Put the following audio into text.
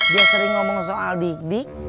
dia sering ngomong soal dik dik